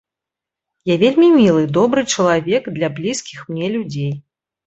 Я вельмі мілы, добры чалавек для блізкіх мне людзей.